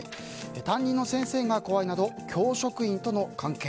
担任の先生が怖いなど教職員との関係。